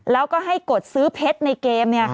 แล้วก็ให้กดซื้อเพชรในเกม